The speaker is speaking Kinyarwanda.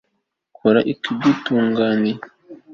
kora ikigutunganiye